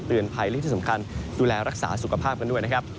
ภัยและที่สำคัญดูแลรักษาสุขภาพกันด้วยนะครับ